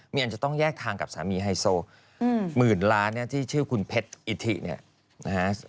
มีอันจะต้องแยกทางกับสามีไฮโซหมื่นล้านที่ชื่อคุณเพชรอิทิเนี่ยนะฮะ